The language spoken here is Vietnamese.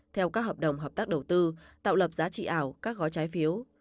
theo các hợp đồng hợp tác đầu tư tạo lập giá trị ảo các gói trái phiếu